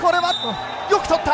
よくとった！